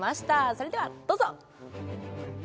それではどうぞ！